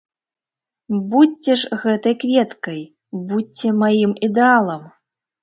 Будзьце ж гэтай кветкай, будзьце маім ідэалам!